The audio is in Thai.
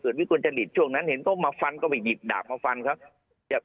เกิดวิกวลจริตช่วงนั้นเห็นเขามาฟันเขาไปหยิบดาบมาฟันครับ